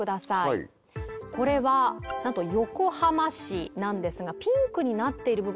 はいこれは何と横浜市なんですがピンクになっている部分